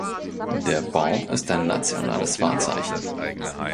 Der Baum ist ein nationales Wahrzeichen.